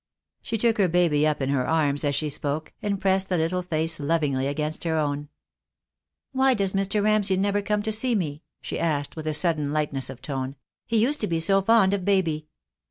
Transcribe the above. She took her baby up in her arms as she spoke, and pressed the little face lovingly against her own. "Why does Mr. Ramsay never come to see me?" she asked with a sudden lightness of tone. "He used to be so fond of baby."